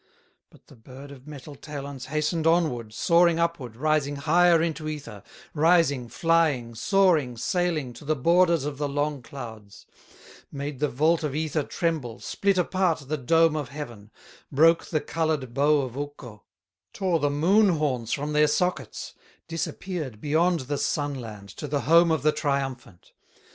But the bird of metal talons Hastened onward, soaring upward, Rising higher into ether, Rising, flying, soaring, sailing, To the borders of the long clouds, Made the vault of ether tremble, Split apart the dome of heaven, Broke the colored bow of Ukko, Tore the Moon horns from their sockets, Disappeared beyond the Sun land, To the home of the triumphant.